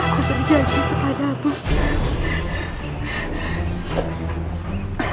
aku berjanji kepada kamu